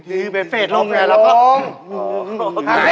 ไปเฟสร์ลงไหนล่ะพ่อโอเค